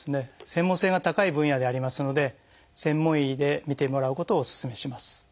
専門性が高い分野でありますので専門医で診てもらうことをお勧めします。